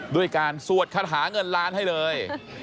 ด้วยการสวดคาถาเงินล้านให้เลย